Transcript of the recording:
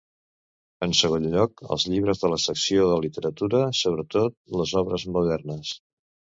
En segon lloc, els llibres de la secció de literatura, sobretot les obres modernes.